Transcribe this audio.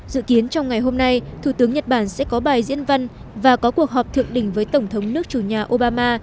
dự kiến trong ngày hôm nay thủ tướng nhật bản sẽ có bài diễn văn và có cuộc họp thượng đỉnh với tổng thống nước chủ nhà obama